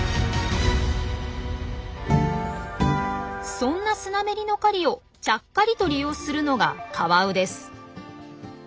そんなスナメリの狩りをちゃっかりと利用するのがカワウです。